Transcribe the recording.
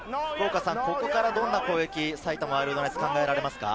ここからどんな攻撃、埼玉ワイルドナイツは考えられますか？